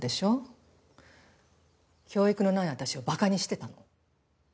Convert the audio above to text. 教育のない私を馬鹿にしてたの。